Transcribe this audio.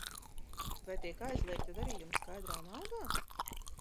Vai tiek aizliegti darījumi skaidrā naudā?